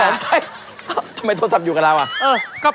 เห้ยทำไมโทรศัพท์อยู่กับเราก่อน